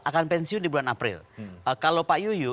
akan pensiun di bulan april kalau pak yuyu